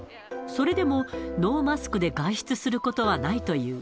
それでも、ノーマスクで外出することはないという。